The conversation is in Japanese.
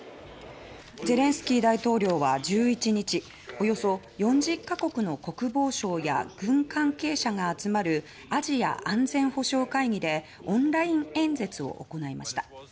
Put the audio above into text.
ゼレンスキー大統領は１１日およそ４０か国の国防相や軍関係者が集まるアジア安全保障会議でオンライン演説を行いました。